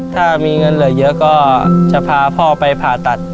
ถ้ามีเงินเหลือเยอะก็จะพาพ่อไปผ่าตัด